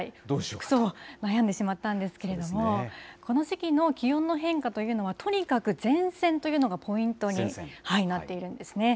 服装、悩んでしまったんですけど、この時期の気温の変化というのは、とにかく前線というのがポイントになっているんですね。